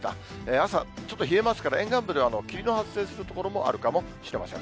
朝ちょっと冷えますから、沿岸部では霧の発生する所もあるかもしれません。